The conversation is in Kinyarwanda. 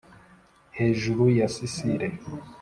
hejuru ya sicile